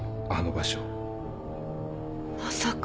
まさか。